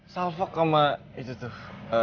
salfok sama itu tuh